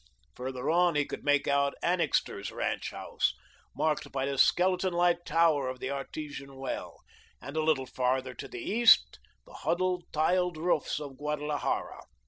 Farther on, he could make out Annixter's ranch house, marked by the skeleton like tower of the artesian well, and, a little farther to the east, the huddled, tiled roofs of Guadalajara.